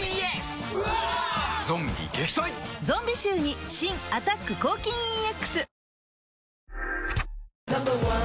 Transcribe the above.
ゾンビ臭に新「アタック抗菌ＥＸ」